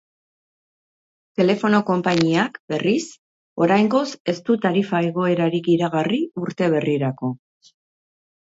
Telefono konpainiak, berriz, oraingoz ez du tarifa igoerarik iragarri urte berrirako.